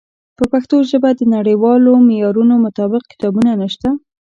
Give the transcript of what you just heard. په پښتو ژبه د نړیوالو معیارونو مطابق کتابونه نشته.